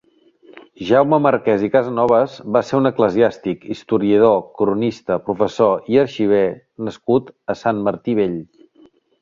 Jaume Marqués i Casanovas va ser un eclesiàstic, historiador, cronista, professor i arxiver nascut a Sant Martí Vell.